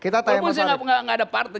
walaupun saya nggak ada partai